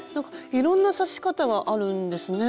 いろんな刺し方があるんですね。